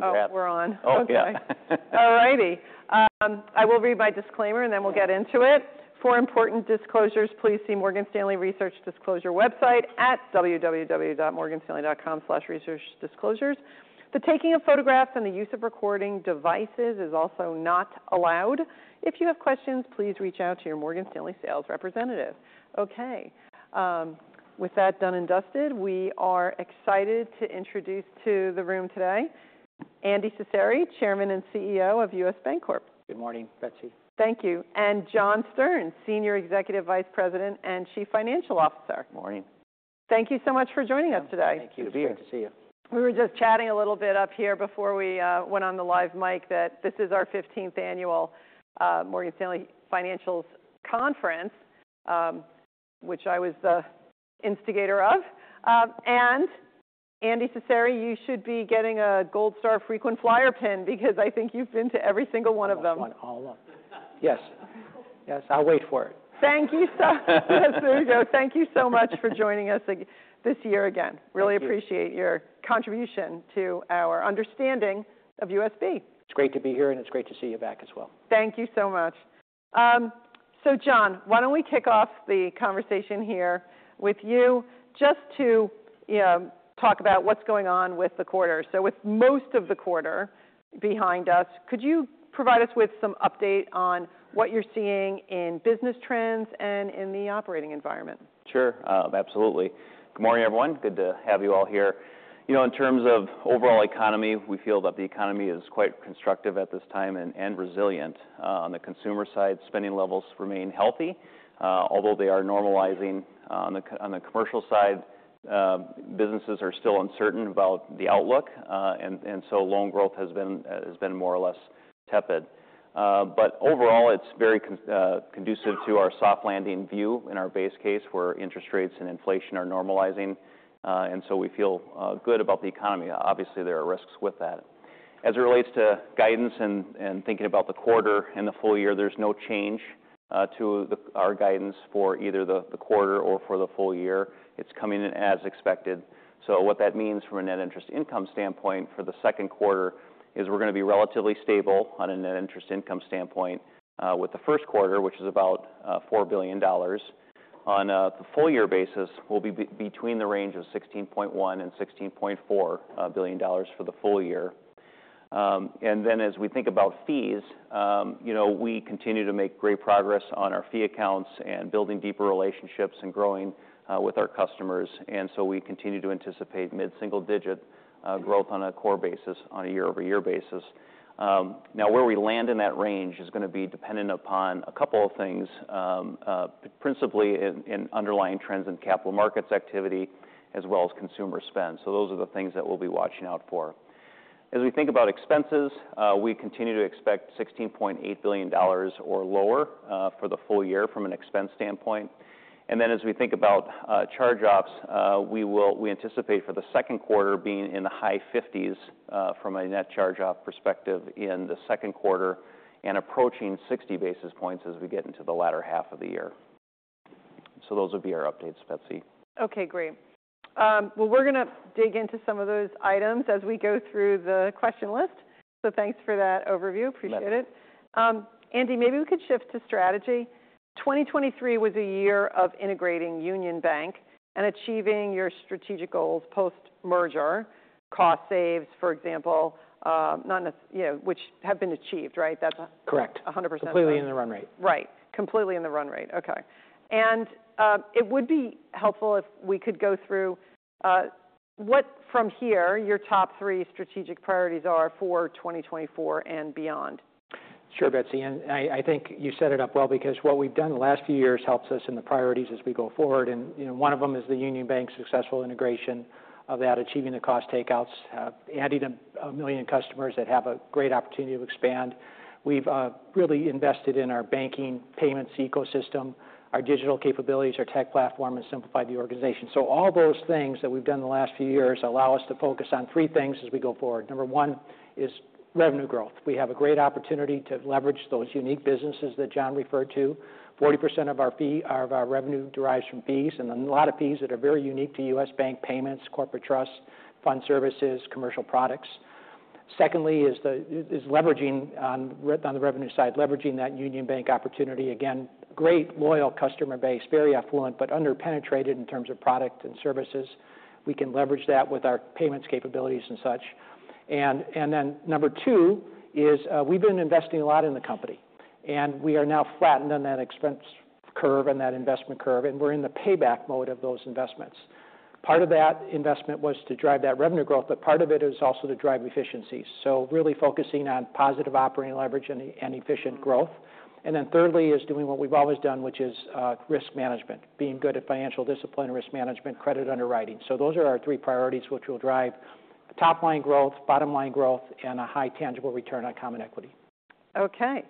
Congrats. Oh, we're on. Okay. Okay. All righty. I will read my disclaimer, and then we'll get into it. For important disclosures, please see Morgan Stanley Research Disclosure website at www.morganstanley.com/researchdisclosures. The taking of photographs and the use of recording devices is also not allowed. If you have questions, please reach out to your Morgan Stanley sales representative. Okay. With that done and dusted, we are excited to introduce to the room today Andy Cecere, Chairman and CEO of U.S. Bancorp. Good morning, Betsy. Thank you. And John Stern, Senior Executive Vice President and Chief Financial Officer. Morning. Thank you so much for joining us today. Thank you. Good to see you. We were just chatting a little bit up here before we went on the live mic that this is our 15th annual Morgan Stanley Financials Conference, which I was the instigator of. Andy Cecere, you should be getting a gold star frequent flyer pin because I think you've been to every single one of them. I'm on all of them. Yes. Yes, I'll wait for it. Thank you so- Yes, there you go. Thank you so much for joining us this year again. Really appreciate your contribution to our understanding of U.S. Bancorp. It's great to be here, and it's great to see you back as well. Thank you so much. So, John, why don't we kick off the conversation here with you just to talk about what's going on with the quarter. So, with most of the quarter behind us, could you provide us with some update on what you're seeing in business trends and in the operating environment? Sure. Absolutely. Good morning, everyone. Good to have you all here. You know, in terms of overall economy, we feel that the economy is quite constructive at this time and resilient. On the consumer side, spending levels remain healthy, although they are normalizing. On the commercial side, businesses are still uncertain about the outlook, and so loan growth has been more or less tepid. But overall, it's very conducive to our soft landing view in our base case where interest rates and inflation are normalizing, and so we feel good about the economy. Obviously, there are risks with that. As it relates to guidance and thinking about the quarter and the full year, there's no change to our guidance for either the quarter or for the full year. It's coming in as expected. So, what that means from a net interest income standpoint for the second quarter is we're going to be relatively stable on a net interest income standpoint with the first quarter, which is about $4 billion. On the full year basis, we'll be between $16.1 and $16.4 billion for the full year. And then, as we think about fees, you know, we continue to make great progress on our fee accounts and building deeper relationships and growing with our customers. And so we continue to anticipate mid-single digit growth on a core basis, on a year-over-year basis. Now, where we land in that range is going to be dependent upon a couple of things, principally in underlying trends in capital markets activity as well as consumer spend. So, those are the things that we'll be watching out for. As we think about expenses, we continue to expect $16.8 billion or lower for the full year from an expense standpoint. And then, as we think about charge-offs, we anticipate for the second quarter being in the high 50s from a net charge-off perspective in the second quarter and approaching 60 basis points as we get into the latter half of the year. So, those would be our updates, Betsy. Okay. Great. Well, we're going to dig into some of those items as we go through the question list. So, thanks for that overview. Appreciate it. Sure. Andy, maybe we could shift to strategy. 2023 was a year of integrating Union Bank and achieving your strategic goals post-merger, cost saves, for example, which have been achieved, right? Correct. That's 100%. Completely in the run rate. Right. Completely in the run rate. Okay. It would be helpful if we could go through what, from here, your top three strategic priorities are for 2024 and beyond. Sure, Betsy. And I think you set it up well because what we've done the last few years helps us in the priorities as we go forward. And one of them is the Union Bank successful integration of that, achieving the cost takeouts, adding 1 million customers that have a great opportunity to expand. We've really invested in our banking payments ecosystem, our digital capabilities, our tech platform, and simplified the organization. So, all those things that we've done the last few years allow us to focus on three things as we go forward. Number one is revenue growth. We have a great opportunity to leverage those unique businesses that John referred to. 40% of our revenue derives from fees, and a lot of fees that are very unique to U.S. Bank payments, corporate trusts, fund services, commercial products. Secondly is leveraging on the revenue side, leveraging that Union Bank opportunity. Again, great, loyal customer base, very affluent, but underpenetrated in terms of product and services. We can leverage that with our payments capabilities and such. And then number 2 is we've been investing a lot in the company, and we are now flattened on that expense curve and that investment curve, and we're in the payback mode of those investments. Part of that investment was to drive that revenue growth, but part of it is also to drive efficiencies. So, really focusing on positive operating leverage and efficient growth. And then thirdly is doing what we've always done, which is risk management, being good at financial discipline and risk management, credit underwriting. So, those are our three priorities, which will drive top-line growth, bottom-line growth, and a high tangible return on common equity. Okay.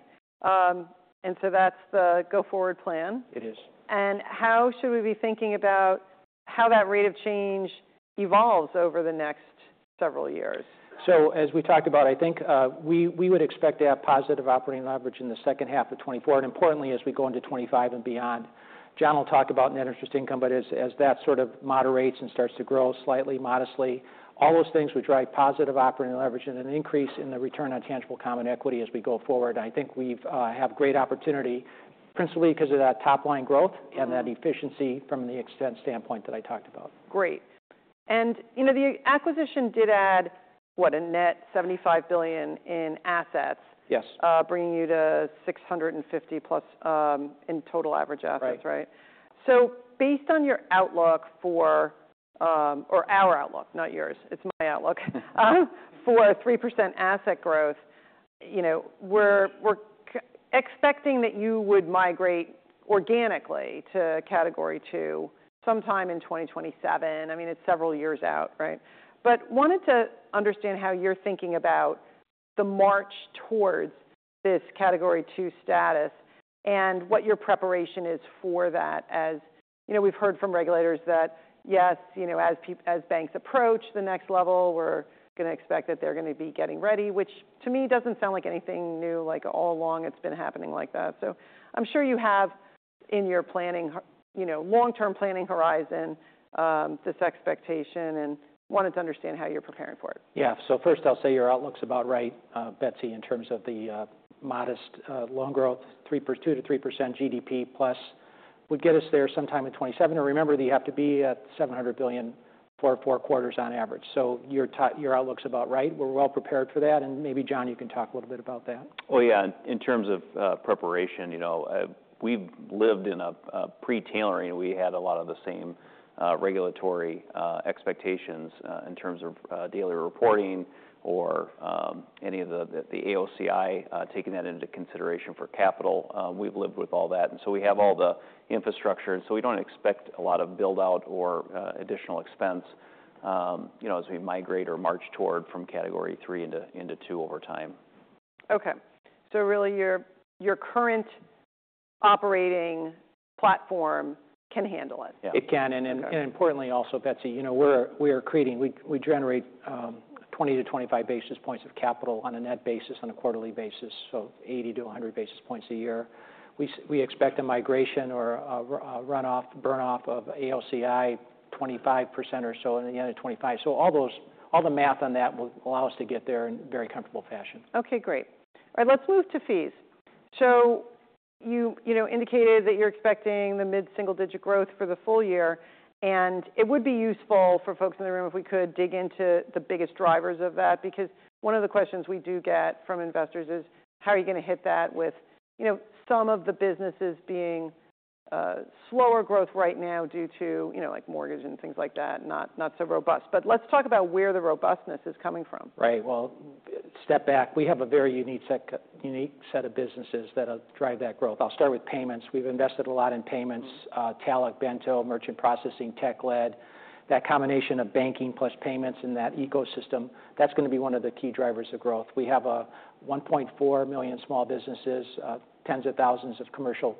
That's the go-forward plan. It is. How should we be thinking about how that rate of change evolves over the next several years? So, as we talked about, I think we would expect to have positive operating leverage in the second half of 2024, and importantly, as we go into 2025 and beyond. John will talk about net interest income, but as that sort of moderates and starts to grow slightly, modestly, all those things would drive positive operating leverage and an increase in the return on tangible common equity as we go forward. I think we have great opportunity, principally because of that top-line growth and that efficiency from the expense standpoint that I talked about. Great. And, you know, the acquisition did add, what, a net $75 billion in assets... Yes. Bringing you to $650+ in total average assets, right? Right. So, based on your outlook for, or our outlook, not yours, it's my outlook, for 3% asset growth, you know, we're expecting that you would migrate organically to Category II sometime in 2027. I mean, it's several years out, right? But wanted to understand how you're thinking about the march towards this Category II status and what your preparation is for that, as, you know, we've heard from regulators that, yes, you know, as banks approach the next level, we're going to expect that they're going to be getting ready, which to me doesn't sound like anything new. Like, all along it's been happening like that. So, I'm sure you have in your planning, you know, long-term planning horizon, this expectation, and wanted to understand how you're preparing for it. Yeah. So, first, I'll say your outlook's about right, Betsy, in terms of the modest loan growth, 2%-3% GDP plus would get us there sometime in 2027. And remember, you have to be at $700 billion for four quarters on average. So, your outlook's about right. We're well prepared for that. And maybe, John, you can talk a little bit about that. Well, yeah, in terms of preparation, you know, we've lived in a pre-tailoring. We had a lot of the same regulatory expectations in terms of daily reporting or any of the AOCI taking that into consideration for capital. We've lived with all that. And so we have all the infrastructure. And so we don't expect a lot of build-out or additional expense, you know, as we migrate or march toward from Category Three into Two over time. Okay. So, really, your current operating platform can handle it. Yeah, it can. And importantly also, Betsy, you know, we're creating, we generate 20-25 basis points of capital on a net basis, on a quarterly basis, so 80-100 basis points a year. We expect a migration or runoff, burn-off of AOCI, 25% or so in the end of 2025. So, all the math on that will allow us to get there in a very comfortable fashion. Okay. Great. All right. Let's move to fees. So, you indicated that you're expecting the mid-single digit growth for the full year. And it would be useful for folks in the room if we could dig into the biggest drivers of that because one of the questions we do get from investors is, how are you going to hit that with, you know, some of the businesses being slower growth right now due to, you know, like mortgage and things like that, not so robust. But let's talk about where the robustness is coming from. Right. Well, step back. We have a very unique set of businesses that'll drive that growth. I'll start with payments. We've invested a lot in payments: talech, Bento, merchant processing, tech-led. That combination of banking plus payments and that ecosystem, that's going to be one of the key drivers of growth. We have 1.4 million small businesses, tens of thousands of commercial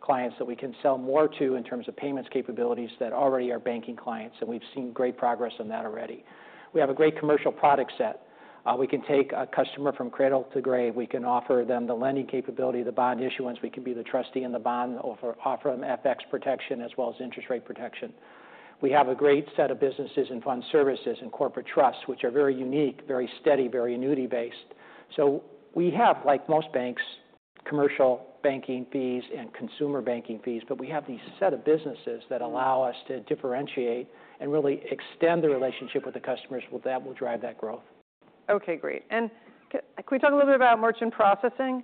clients that we can sell more to in terms of payments capabilities that already are banking clients. And we've seen great progress on that already. We have a great commercial product set. We can take a customer from cradle to grave. We can offer them the lending capability, the bond issuance. We can be the trustee in the bond, offer them FX protection as well as interest rate protection. We have a great set of businesses in fund services and corporate trusts, which are very unique, very steady, very annuity-based. So, we have, like most banks, commercial banking fees and consumer banking fees, but we have these set of businesses that allow us to differentiate and really extend the relationship with the customers. That will drive that growth. Okay. Great. And can we talk a little bit about merchant processing?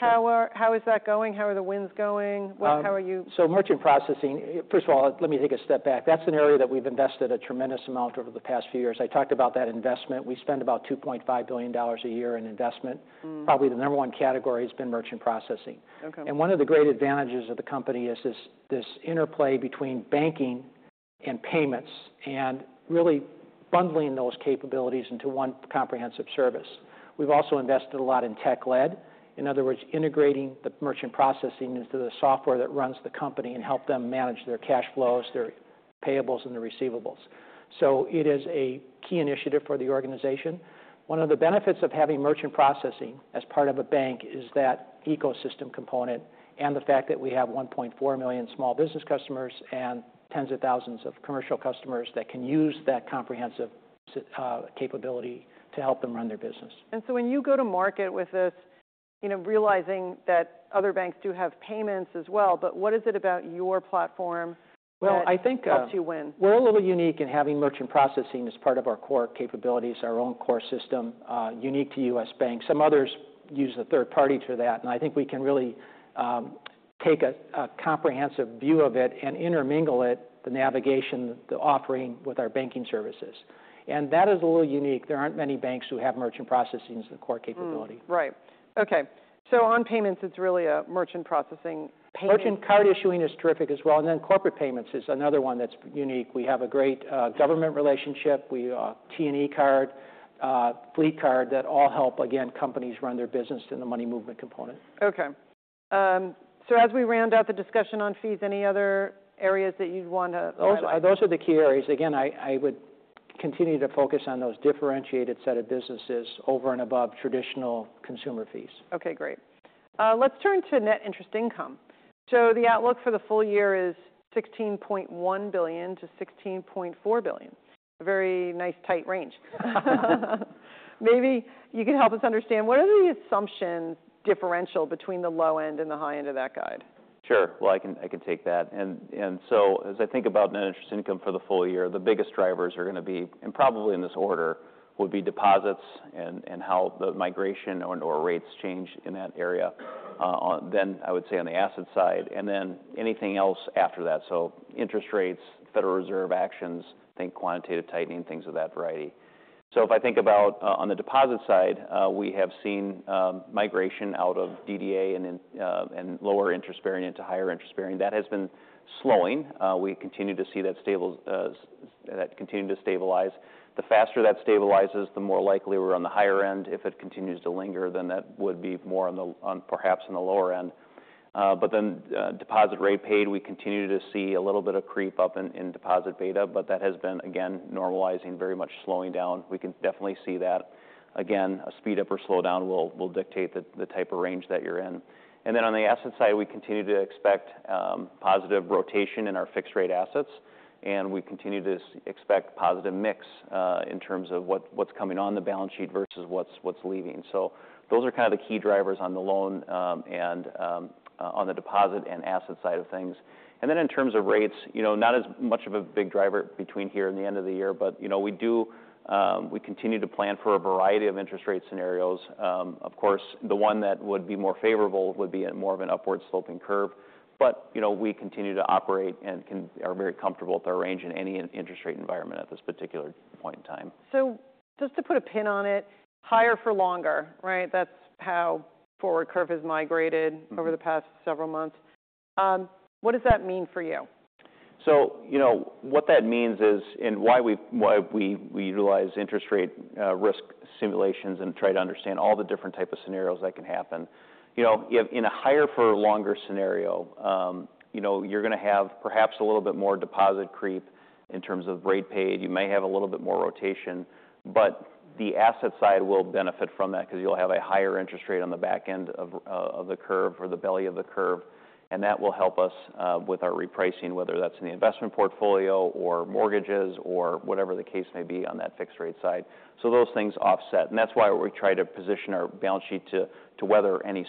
How is that going? How are the winds going? How are you? So, merchant processing, first of all, let me take a step back. That's an area that we've invested a tremendous amount over the past few years. I talked about that investment. We spend about $2.5 billion a year in investment. Probably the number one category has been merchant processing. And one of the great advantages of the company is this interplay between banking and payments and really bundling those capabilities into one comprehensive service. We've also invested a lot in tech-led. In other words, integrating the merchant processing into the software that runs the company and help them manage their cash flows, their payables, and their receivables. So, it is a key initiative for the organization. One of the benefits of having merchant processing as part of a bank is that ecosystem component and the fact that we have 1.4 million small business customers and tens of thousands of commercial customers that can use that comprehensive capability to help them run their business. When you go to market with this, you know, realizing that other banks do have payments as well, but what is it about your platform that helps you win? Well, I think we're a little unique in having merchant processing as part of our core capabilities, our own core system, unique to U.S. Bank. Some others use a third party to that. And I think we can really take a comprehensive view of it and intermingle it, the navigation, the offering with our banking services. And that is a little unique. There aren't many banks who have merchant processing as the core capability. Right. Okay. So, on payments, it's really a merchant processing payment. Merchant card issuing is terrific as well. And then corporate payments is another one that's unique. We have a great government relationship. We have T&E card, Fleet card that all help, again, companies run their business and the money movement component. Okay. So, as we round out the discussion on fees, any other areas that you'd want to highlight? Those are the key areas. Again, I would continue to focus on those differentiated set of businesses over and above traditional consumer fees. Okay. Great. Let's turn to net interest income. So, the outlook for the full year is $16.1 billion-$16.4 billion, a very nice tight range. Maybe you can help us understand what are the assumptions differential between the low end and the high end of that guide? Sure. Well, I can take that. So, as I think about net interest income for the full year, the biggest drivers are going to be, and probably in this order, would be deposits and how the migration or rates change in that area. Then I would say on the asset side, and then anything else after that. So, interest rates, Federal Reserve actions, I think quantitative tightening, things of that variety. So, if I think about on the deposit side, we have seen migration out of DDA and lower interest bearing into higher interest bearing. That has been slowing. We continue to see that continue to stabilize. The faster that stabilizes, the more likely we're on the higher end. If it continues to linger, then that would be more perhaps on the lower end. But then, deposit rate paid, we continue to see a little bit of creep up in deposit beta, but that has been, again, normalizing, very much slowing down. We can definitely see that. Again, a speed up or slow down will dictate the type of range that you're in. And then on the asset side, we continue to expect positive rotation in our fixed rate assets. And we continue to expect positive mix in terms of what's coming on the balance sheet versus what's leaving. So, those are kind of the key drivers on the loan and on the deposit and asset side of things. And then in terms of rates, you know, not as much of a big driver between here and the end of the year, but, you know, we continue to plan for a variety of interest rate scenarios. Of course, the one that would be more favorable would be more of an upward sloping curve. But, you know, we continue to operate and are very comfortable with our range in any interest rate environment at this particular point in time. So, just to put a pin on it, higher for longer, right? That's how forward curve has migrated over the past several months. What does that mean for you? So, you know, what that means is and why we utilize interest rate risk simulations and try to understand all the different types of scenarios that can happen. You know, in a higher for longer scenario, you know, you're going to have perhaps a little bit more deposit creep in terms of rate paid. You may have a little bit more rotation, but the asset side will benefit from that because you'll have a higher interest rate on the back end of the curve or the belly of the curve. And that will help us with our repricing, whether that's in the investment portfolio or mortgages or whatever the case may be on that fixed rate side. So, those things offset. And that's why we try to position our balance sheet to weather any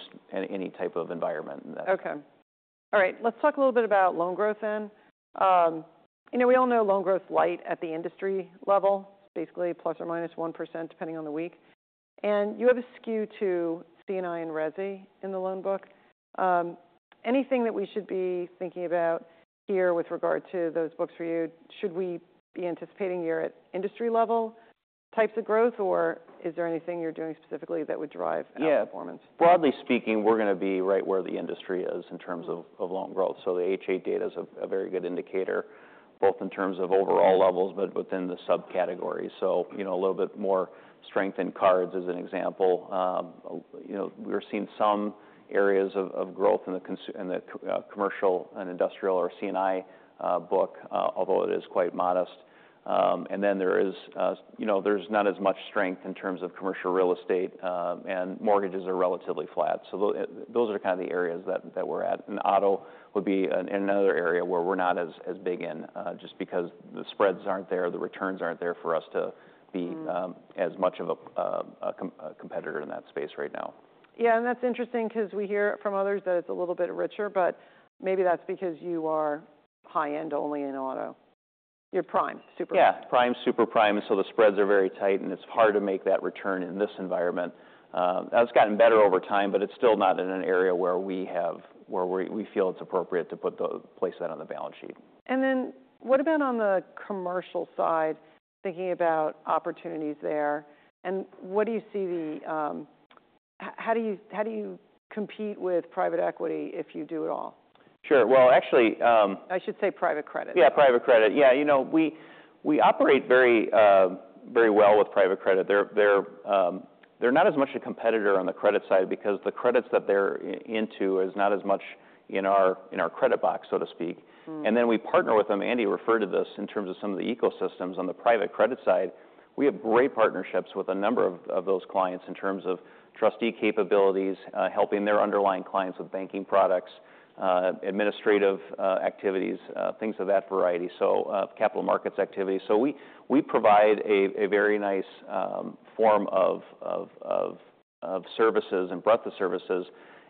type of environment. Okay. All right. Let's talk a little bit about loan growth then. You know, we all know loan growth's light at the industry level, basically ±1% depending on the week. And you have a skew to C&I and Resi in the loan book. Anything that we should be thinking about here with regard to those books for you, should we be anticipating you're at industry level types of growth, or is there anything you're doing specifically that would drive outperformance? Yeah. Broadly speaking, we're going to be right where the industry is in terms of loan growth. So, the H-8 data is a very good indicator, both in terms of overall levels, but within the subcategories. So, you know, a little bit more strength in cards as an example. You know, we're seeing some areas of growth in the commercial and industrial or C&I book, although it is quite modest. And then there is, you know, there's not as much strength in terms of commercial real estate, and mortgages are relatively flat. So, those are kind of the areas that we're at. And auto would be another area where we're not as big in just because the spreads aren't there, the returns aren't there for us to be as much of a competitor in that space right now. Yeah. And that's interesting because we hear from others that it's a little bit richer, but maybe that's because you are high-end only in auto. You're prime, super prime. Yeah, prime, super prime. So, the spreads are very tight, and it's hard to make that return in this environment. That's gotten better over time, but it's still not in an area where we feel it's appropriate to place that on the balance sheet. Then what about on the commercial side, thinking about opportunities there? And what do you see, how do you compete with private equity if you do it all? Sure. Well, actually. I should say private credit. Yeah, private credit. Yeah. You know, we operate very well with private credit. They're not as much a competitor on the credit side because the credits that they're into is not as much in our credit box, so to speak. And then we partner with them. Andy referred to this in terms of some of the ecosystems. On the private credit side, we have great partnerships with a number of those clients in terms of trustee capabilities, helping their underlying clients with banking products, administrative activities, things of that variety, so capital markets activity. So, we provide a very nice form of services and breadth of services,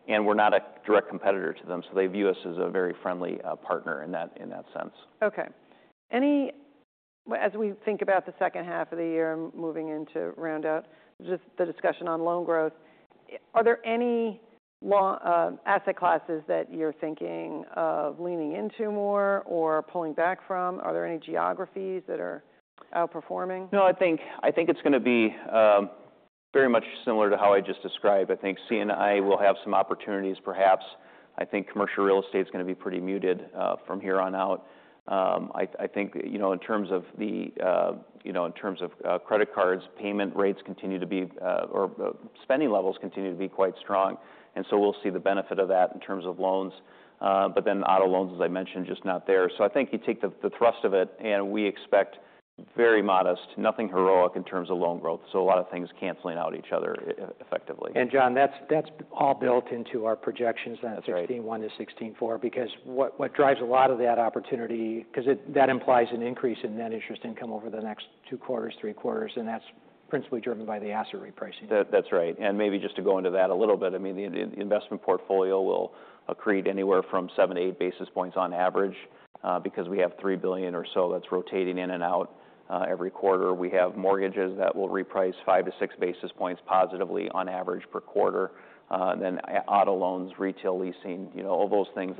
and we're not a direct competitor to them. So, they view us as a very friendly partner in that sense. Okay. Andy, as we think about the second half of the year and moving into round out, just the discussion on loan growth, are there any asset classes that you're thinking of leaning into more or pulling back from? Are there any geographies that are outperforming? No, I think it's going to be very much similar to how I just described. I think C&I will have some opportunities perhaps. I think commercial real estate is going to be pretty muted from here on out. I think, you know, in terms of the, you know, in terms of credit cards, payment rates continue to be, or spending levels continue to be quite strong. And so, we'll see the benefit of that in terms of loans. But then auto loans, as I mentioned, just not there. So, I think you take the thrust of it, and we expect very modest, nothing heroic in terms of loan growth. So, a lot of things canceling out each other effectively. John, that's all built into our projections, that 16.1 to 16.4, because what drives a lot of that opportunity, because that implies an increase in net interest income over the next two quarters, three quarters, and that's principally driven by the asset repricing. That's right. And maybe just to go into that a little bit, I mean, the investment portfolio will accrete anywhere from 7-8 basis points on average because we have $3 billion or so that's rotating in and out every quarter. We have mortgages that will reprice 5-6 basis points positively on average per quarter. Then auto loans, retail leasing, you know, all those things,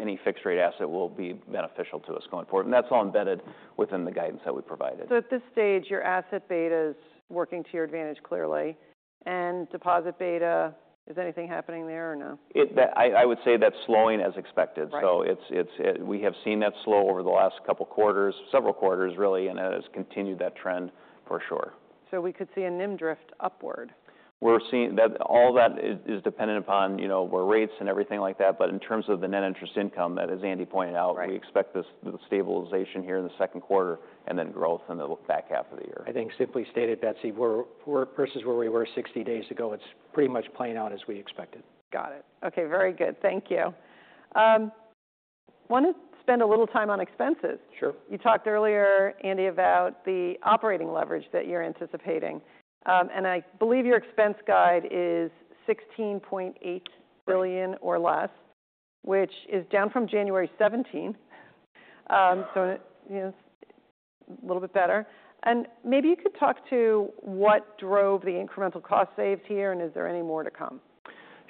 any fixed rate asset will be beneficial to us going forward. And that's all embedded within the guidance that we provided. So, at this stage, your asset beta is working to your advantage clearly. And deposit beta, is anything happening there or no? I would say that's slowing as expected. So, we have seen that slow over the last couple quarters, several quarters really, and it has continued that trend for sure. We could see a NIM drift upward. We're seeing that all that is dependent upon, you know, rates and everything like that. But in terms of the net interest income, that is, Andy pointed out, we expect the stabilization here in the second quarter and then growth in the back half of the year. I think simply stated, Betsy, versus where we were 60 days ago, it's pretty much playing out as we expected. Got it. Okay. Very good. Thank you. I want to spend a little time on expenses. Sure. You talked earlier, Andy, about the operating leverage that you're anticipating. And I believe your expense guide is $16.8 billion or less, which is down from January 17. So, you know, a little bit better. And maybe you could talk to what drove the incremental cost saves here and is there any more to come?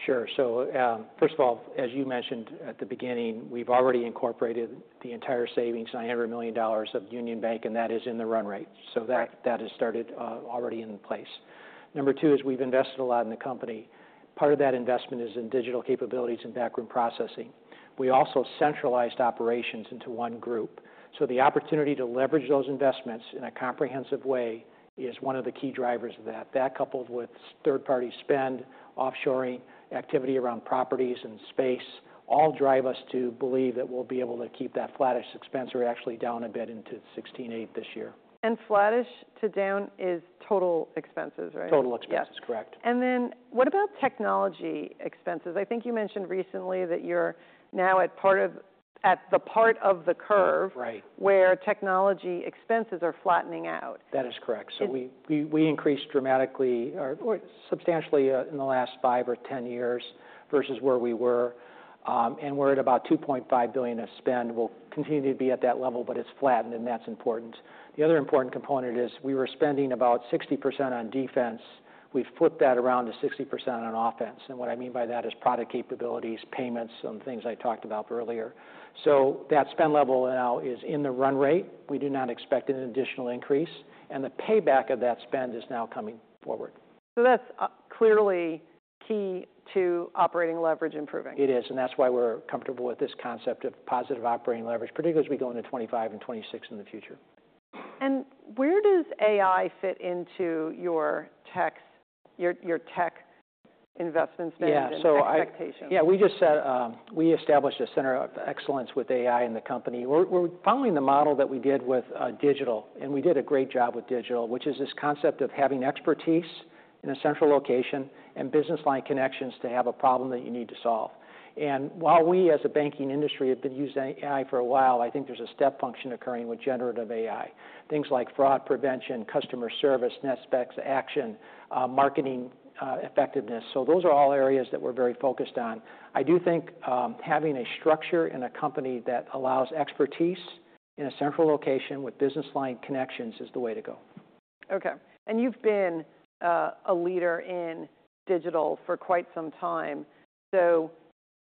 Sure. So, first of all, as you mentioned at the beginning, we've already incorporated the entire savings, $900 million of Union Bank, and that is in the run rate. So, that has started already in place. Number two is we've invested a lot in the company. Part of that investment is in digital capabilities and backroom processing. We also centralized operations into one group. So, the opportunity to leverage those investments in a comprehensive way is one of the key drivers of that. That, coupled with third-party spend, offshoring activity around properties and space, all drive us to believe that we'll be able to keep that flattish expense or actually down a bit into $16.8 this year. Flattish to down is total expenses, right? Total expenses, correct. What about technology expenses? I think you mentioned recently that you're now at the part of the curve where technology expenses are flattening out. That is correct. So, we increased dramatically or substantially in the last 5 or 10 years versus where we were. And we're at about $2.5 billion of spend. We'll continue to be at that level, but it's flattened and that's important. The other important component is we were spending about 60% on defense. We've flipped that around to 60% on offense. And what I mean by that is product capabilities, payments, and things I talked about earlier. So, that spend level now is in the run rate. We do not expect an additional increase. And the payback of that spend is now coming forward. That's clearly key to operating leverage improving. It is. And that's why we're comfortable with this concept of positive operating leverage, particularly as we go into 2025 and 2026 in the future. Where does AI fit into your tech investments and expectations? Yeah. So, yeah, we just said we established a center of excellence with AI in the company. We're following the model that we did with digital. And we did a great job with digital, which is this concept of having expertise in a central location and business line connections to have a problem that you need to solve. And while we as a banking industry have been using AI for a while, I think there's a step function occurring with generative AI, things like fraud prevention, customer service, next-gen actions, marketing effectiveness. So, those are all areas that we're very focused on. I do think having a structure in a company that allows expertise in a central location with business line connections is the way to go. Okay. And you've been a leader in digital for quite some time. So,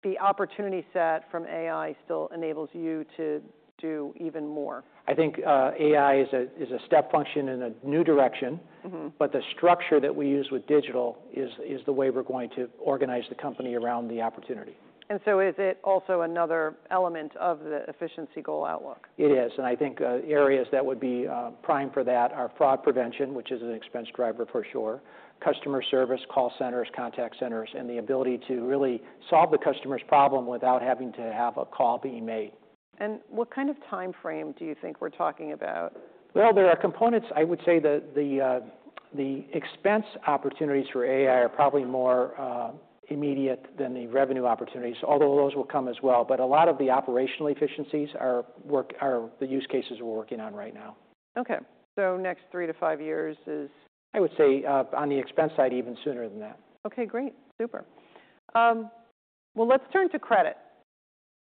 the opportunity set from AI still enables you to do even more. I think AI is a step function in a new direction, but the structure that we use with digital is the way we're going to organize the company around the opportunity. And so, is it also another element of the efficiency goal outlook? It is. I think areas that would be prime for that are fraud prevention, which is an expense driver for sure, customer service, call centers, contact centers, and the ability to really solve the customer's problem without having to have a call being made. What kind of timeframe do you think we're talking about? Well, there are components. I would say the expense opportunities for AI are probably more immediate than the revenue opportunities, although those will come as well. But a lot of the operational efficiencies are the use cases we're working on right now. Okay. So, next 3-5 years is? I would say on the expense side even sooner than that. Okay. Great. Super. Well, let's turn to credit.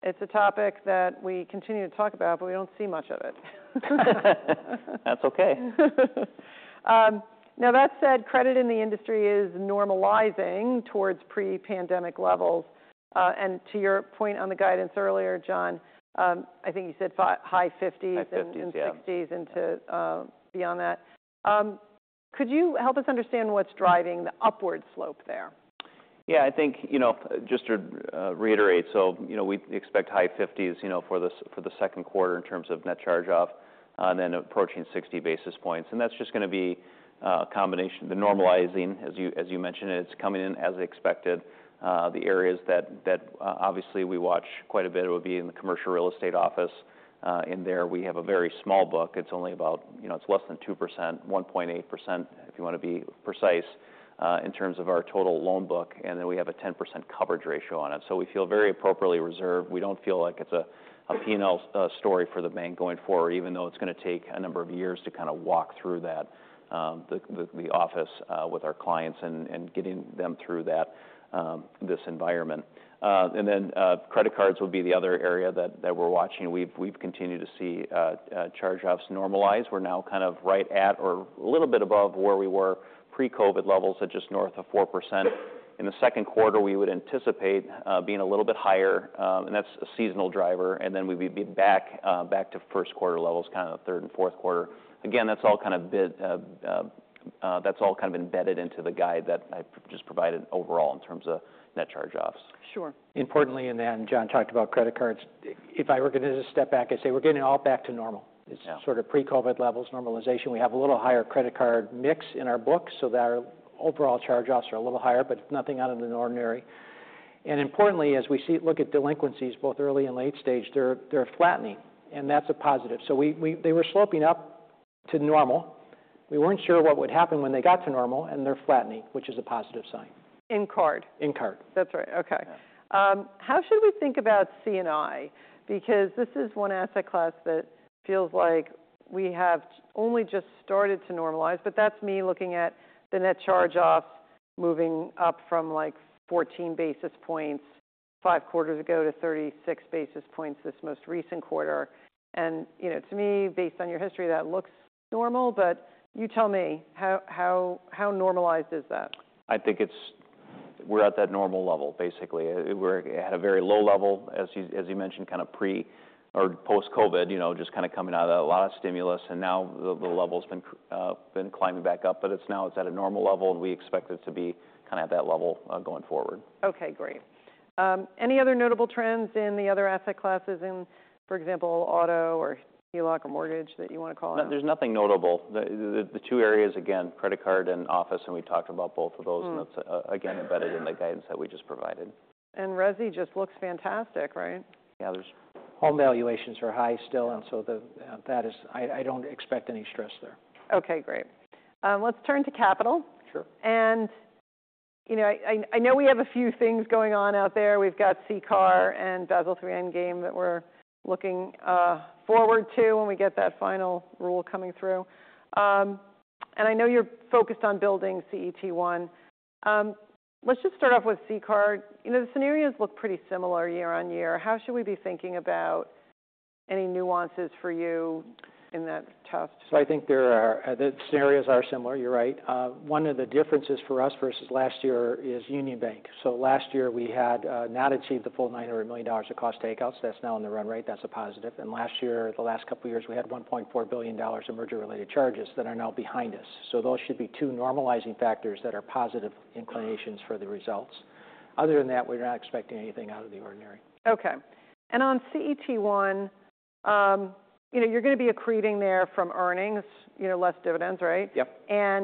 It's a topic that we continue to talk about, but we don't see much of it. That's okay. Now, that said, credit in the industry is normalizing towards pre-pandemic levels. To your point on the guidance earlier, John, I think you said high 50s and 60s and beyond that. Could you help us understand what's driving the upward slope there? Yeah. I think, you know, just to reiterate, so, you know, we expect high 50s, you know, for the second quarter in terms of net charge-off, then approaching 60 basis points. And that's just going to be a combination, the normalizing, as you mentioned, it's coming in as expected. The areas that obviously we watch quite a bit would be in the commercial real estate office. In there, we have a very small book. It's only about, you know, it's less than 2%, 1.8% if you want to be precise in terms of our total loan book. And then we have a 10% coverage ratio on it. So, we feel very appropriately reserved. We don't feel like it's a penal story for the bank going forward, even though it's going to take a number of years to kind of walk through that, the office with our clients and getting them through this environment. And then credit cards would be the other area that we're watching. We've continued to see charge-offs normalize. We're now kind of right at or a little bit above where we were pre-COVID levels at just north of 4%. In the second quarter, we would anticipate being a little bit higher. And that's a seasonal driver. And then we'd be back to first quarter levels, kind of third and fourth quarter. Again, that's all kind of embedded into the guide that I just provided overall in terms of net charge-offs. Sure. Importantly in that, and John talked about credit cards, if I were to step back, I'd say we're getting all back to normal. It's sort of pre-COVID levels, normalization. We have a little higher credit card mix in our books, so our overall charge-offs are a little higher, but nothing out of the ordinary. And importantly, as we look at delinquencies, both early and late stage, they're flattening. And that's a positive. So, they were sloping up to normal. We weren't sure what would happen when they got to normal, and they're flattening, which is a positive sign. In card. In card. That's right. Okay. How should we think about C&I? Because this is one asset class that feels like we have only just started to normalize, but that's me looking at the net charge-offs moving up from like 14 basis points five quarters ago to 36 basis points this most recent quarter. And, you know, to me, based on your history, that looks normal, but you tell me, how normalized is that? I think we're at that normal level, basically. We're at a very low level, as you mentioned, kind of pre or post-COVID, you know, just kind of coming out of a lot of stimulus. And now the level has been climbing back up, but now it's at a normal level, and we expect it to be kind of at that level going forward. Okay. Great. Any other notable trends in the other asset classes in, for example, auto or HELOC or mortgage that you want to call out? There's nothing notable. The two areas, again, credit card and office, and we talked about both of those, and that's, again, embedded in the guidance that we just provided. Resi just looks fantastic, right? Yeah. Home valuations are high still, and so that is, I don't expect any stress there. Okay. Great. Let's turn to capital. Sure. You know, I know we have a few things going on out there. We've got CCAR and Basel III Endgame that we're looking forward to when we get that final rule coming through. And I know you're focused on building CET1. Let's just start off with CCAR. You know, the scenarios look pretty similar year on year. How should we be thinking about any nuances for you in that test? So, I think the scenarios are similar. You're right. One of the differences for us versus last year is Union Bank. So, last year we had not achieved the full $900 million of cost takeouts. That's now in the run rate. That's a positive. And last year, the last couple of years, we had $1.4 billion of merger-related charges that are now behind us. So, those should be two normalizing factors that are positive inclinations for the results. Other than that, we're not expecting anything out of the ordinary. Okay. And on CET1, you know, you're going to be accreting there from earnings, you know, less dividends, right? Yep.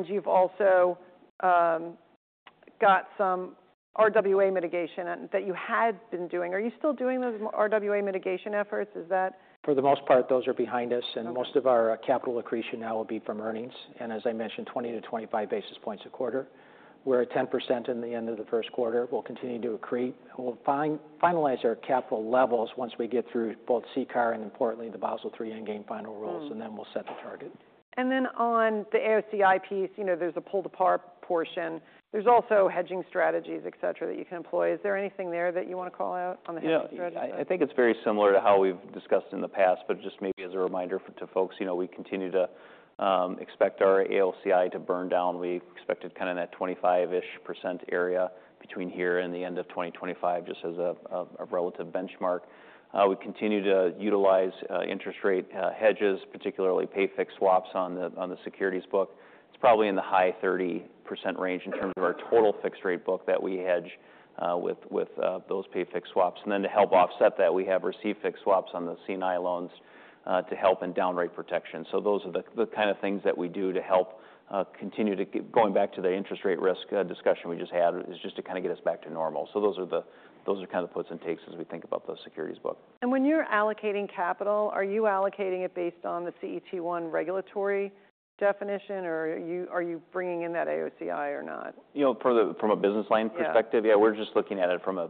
You've also got some RWA mitigation that you had been doing. Are you still doing those RWA mitigation efforts? Is that? For the most part, those are behind us. And most of our capital accretion now will be from earnings. And as I mentioned, 20-25 basis points a quarter. We're at 10% in the end of the first quarter. We'll continue to accrete. We'll finalize our capital levels once we get through both CCAR and, importantly, the Basel III Endgame final rules, and then we'll set the target. And then on the AOCI piece, you know, there's a pull-to-par portion. There's also hedging strategies, et cetera, et cetera, that you can employ. Is there anything there that you want to call out on the hedging strategy? Yeah. I think it's very similar to how we've discussed in the past, but just maybe as a reminder to folks, you know, we continue to expect our AOCI to burn down. We expected kind of that 25%-ish % area between here and the end of 2025, just as a relative benchmark. We continue to utilize interest rate hedges, particularly pay-fix swaps on the securities book. It's probably in the high 30% range in terms of our total fixed rate book that we hedge with those pay-fix swaps. And then to help offset that, we have receive-fix swaps on the C&I loans to help in downside protection. So, those are the kind of things that we do to help continue to, going back to the interest rate risk discussion we just had, is just to kind of get us back to normal. Those are kind of the puts and takes as we think about the securities book. When you're allocating capital, are you allocating it based on the CET1 regulatory definition, or are you bringing in that AOCI or not? You know, from a business line perspective, yeah, we're just looking at it from a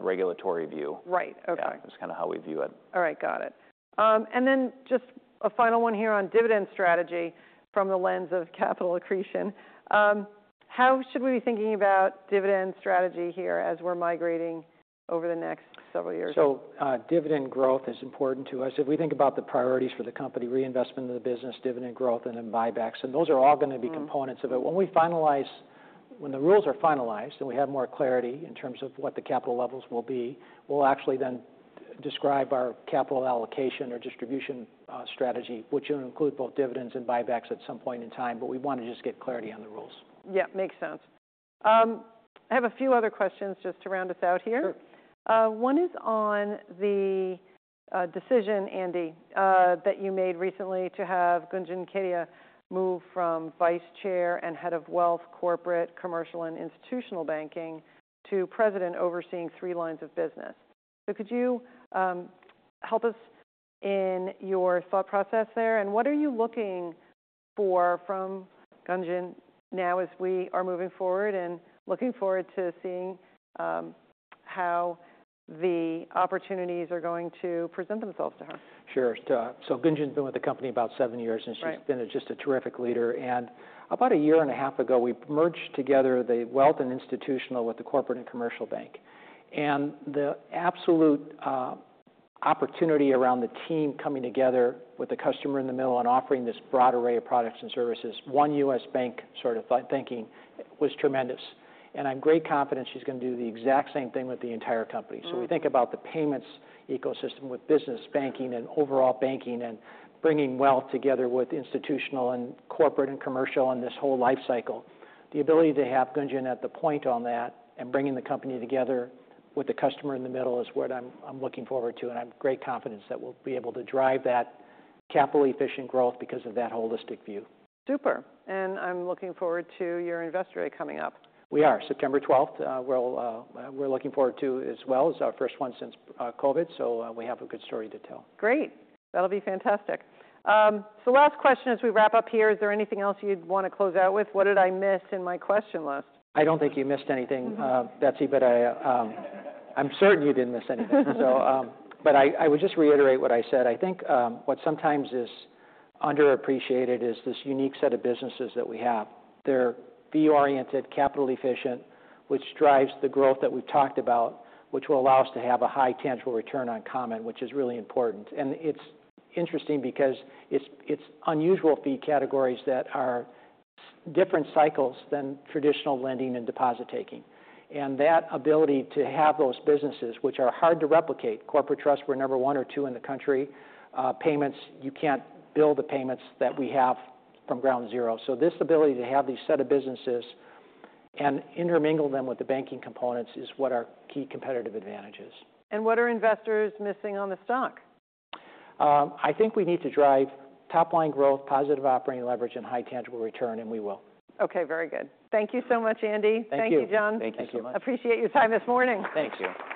regulatory view. Right. Okay. Yeah, that's kind of how we view it. All right. Got it. And then just a final one here on dividend strategy from the lens of capital accretion. How should we be thinking about dividend strategy here as we're migrating over the next several years? So, dividend growth is important to us. If we think about the priorities for the company, reinvestment of the business, dividend growth, and then buybacks, and those are all going to be components of it. When the rules are finalized and we have more clarity in terms of what the capital levels will be, we'll actually then describe our capital allocation or distribution strategy, which will include both dividends and buybacks at some point in time. But we want to just get clarity on the rules. Yep. Makes sense. I have a few other questions just to round us out here. Sure. One is on the decision, Andy, that you made recently to have Gunjan Kedia move from Vice Chair and head of Wealth, Corporate, Commercial and Institutional Banking to President overseeing three lines of business. So, could you help us in your thought process there? And what are you looking for from Gunjan now as we are moving forward and looking forward to seeing how the opportunities are going to present themselves to her? Sure. So, Gunjan's been with the company about seven years, and she's been just a terrific leader. About a year and a half ago, we merged together the wealth and institutional with the corporate and commercial bank. The absolute opportunity around the team coming together with the customer in the middle and offering this broad array of products and services, one U.S. Bank sort of thinking was tremendous. I have great confidence she's going to do the exact same thing with the entire company. So, we think about the payments ecosystem with business banking and overall banking and bringing wealth together with institutional and corporate and commercial and this whole life cycle. The ability to have Gunjan at the point on that and bringing the company together with the customer in the middle is what I'm looking forward to. I have great confidence that we'll be able to drive that capital efficient growth because of that holistic view. Super. I'm looking forward to your investor day coming up. We are. September 12th, we're looking forward to as well as our first one since COVID. So, we have a good story to tell. Great. That'll be fantastic. Last question as we wrap up here. Is there anything else you'd want to close out with? What did I miss in my question list? I don't think you missed anything, Betsy, but I'm certain you didn't miss anything. So, but I would just reiterate what I said. I think what sometimes is underappreciated is this unique set of businesses that we have. They're fee-oriented, capital efficient, which drives the growth that we've talked about, which will allow us to have a high tangible return on common, which is really important. And it's interesting because it's unusual fee categories that are different cycles than traditional lending and deposit taking. And that ability to have those businesses, which are hard to replicate, corporate trust, we're number one or two in the country, payments, you can't build the payments that we have from ground zero. So, this ability to have these set of businesses and intermingle them with the banking components is what our key competitive advantage is. What are investors missing on the stock? I think we need to drive top-line growth, positive operating leverage, and high tangible return, and we will. Okay. Very good. Thank you so much, Andy. Thank you. Thank you, John. Thank you so much. Appreciate your time this morning. Thank you.